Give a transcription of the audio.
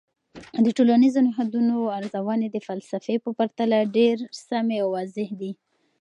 د ټولنیزو نهادونو ارزونې د فلسفې په پرتله ډیر سمی او واضح دي.